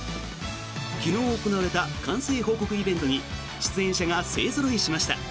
昨日行われた完成報告イベントに出演者が勢ぞろいしました。